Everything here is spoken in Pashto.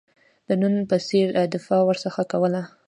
د نن په څېر دفاع ورڅخه کوله.